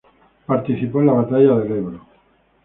Participó en la Batalla del Ebro.